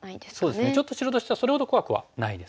そうですねちょっと白としてはそれほど怖くはないですかね。